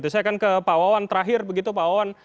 saya akan ke pak wawan terakhir begitu pak wawan